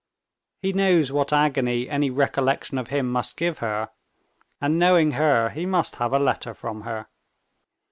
He knows what agony any recollection of him must give her, and knowing her, he must have a letter from her.